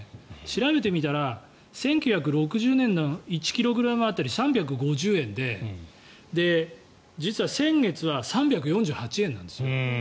調べてみたら１９６０年の１ｋｇ当たり３５０円で実は先月は３４８円なんですよ。